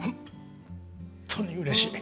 本当にうれしい。